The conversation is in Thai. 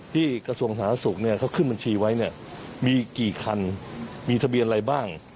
กระทรวงสาธารณสุขเนี่ยเขาขึ้นบัญชีไว้เนี่ยมีกี่คันมีทะเบียนอะไรบ้าง